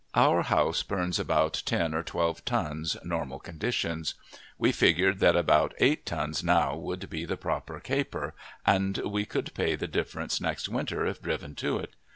Our house burns about ten or twelve tons, normal conditions. We figured that about eight tons now would be the proper caper, and we could pay the difference next winter if driven to it.